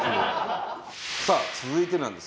さあ続いてなんです。